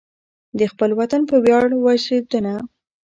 د خپل وطن په ویاړ وژونده.